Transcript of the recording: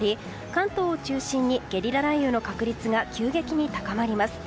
関東を中心にゲリラ雷雨の確率が急激に高まります。